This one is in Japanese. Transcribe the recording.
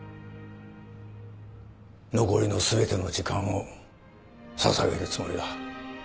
残りの全ての時間を捧げるつもりだ。